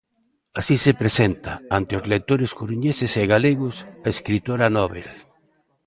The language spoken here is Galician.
Así se presenta, ante os lectores coruñeses e galegos, a escritora novel.